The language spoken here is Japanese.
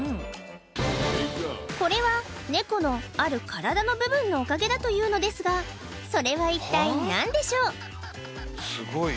これはネコのある体の部分のおかげだというのですがそれは一体何でしょう？